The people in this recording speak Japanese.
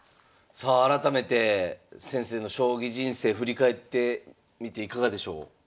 さあ改めて先生の将棋人生振り返ってみていかがでしょう？